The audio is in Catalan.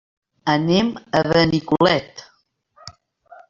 Anem a Benicolet.